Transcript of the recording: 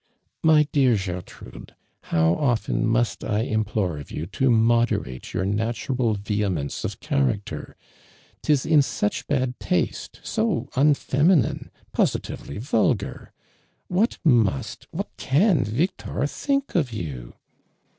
"My dear Gertrude, how often must I implore of you to mod erate your natural vehemence of character ! 'Tis in such bad taste — so uni'eminine — I)Ositively vulgar. What must, what can N'ictor think of you